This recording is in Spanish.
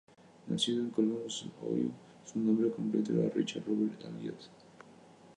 Nacido en Columbus, Ohio, su nombre completo era Richard Robert Elliott.